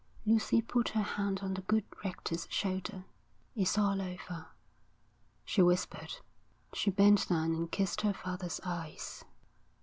Lucy put her hand on the good rector's shoulder. 'It's all over,' she whispered. She bent down and kissed her father's eyes.